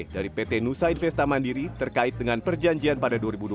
dari pt nusa investa mandiri terkait dengan perjanjian pada dua ribu dua puluh